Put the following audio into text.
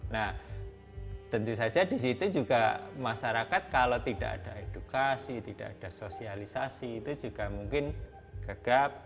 nah tentu saja di situ juga masyarakat kalau tidak ada edukasi tidak ada sosialisasi itu juga mungkin gegap